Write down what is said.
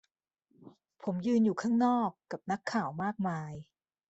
ผมยืนอยู่ข้างนอก กับนักข่าวมากมาย